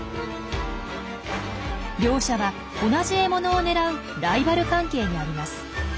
両者は同じ獲物を狙うライバル関係にあります。